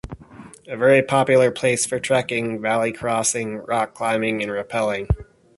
A very popular place for trekking, valley crossing, rock climbing and rappelling.